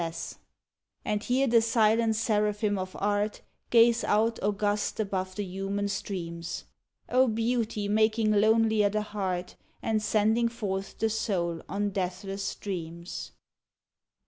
92 THE PANAMA PACIFIC EXPOSITION And here the silent seraphim of Art Gaze out august above the human streams. O beauty making lonelier the heart, And sending forth the soul on deathless dreams